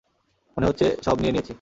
মনেহচ্ছে সব নিয়ে নিয়েছি।